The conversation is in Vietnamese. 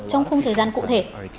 trong không thời gian cụ thể